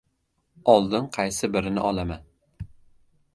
Oldin qaysi birini olaman?